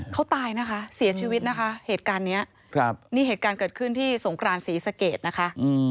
เขาตายนะคะเกิดขึ้นที่สงครานศรีสเก๊ย์นะค่ะ